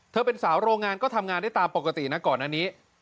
เป็นสาวโรงงานก็ทำงานได้ตามปกตินะก่อนอันนี้